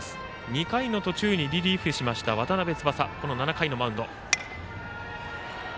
２回の途中にリリーフしました渡邉翼７回のマウンド。